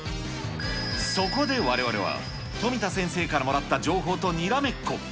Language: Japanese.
そこでわれわれは、富田先生からもらった情報とにらめっこ。